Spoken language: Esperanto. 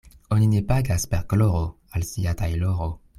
Oni ne pagas per gloro al sia tajloro.